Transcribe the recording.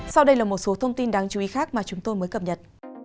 sau đây là một số thông tin đáng chú ý khác mà chúng tôi mới cập nhật